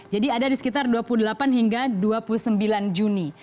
jadi ada di sekitar dua puluh delapan hingga dua puluh sembilan juni